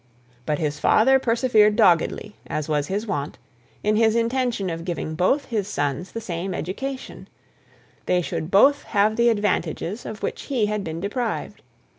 But his father persevered doggedly, as was his wont, in his intention of giving both his sons the same education; they should both have the advantages of which he had been deprived.